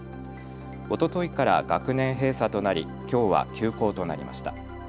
おとといから学年閉鎖となりきょうは休校となりました。